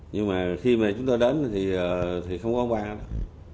nhưng mà khi mà chúng tôi đến thì không có ba đâu